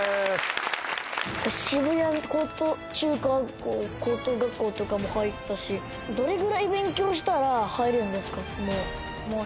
渋谷中学校高等学校とかも入ったしどれぐらい勉強したら入れるんですか？